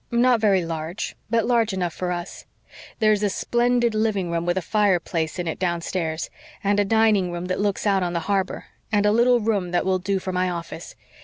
"Not very large, but large enough for us. There's a splendid living room with a fireplace in it downstairs, and a dining room that looks out on the harbor, and a little room that will do for my office.